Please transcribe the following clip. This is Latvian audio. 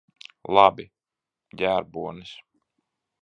Labi. Ģērbonis.